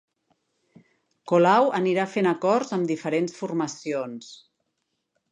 Colau anirà fent acords amb diferents formacions